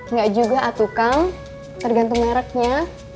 nggak juga atukang tergantung mereknya